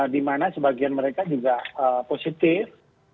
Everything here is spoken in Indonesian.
dimana sebagian mereka juga positif